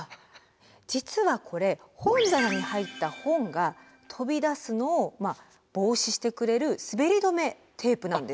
実はこれ本棚に入った本が飛び出すのを防止してくれる滑り止めテープなんです。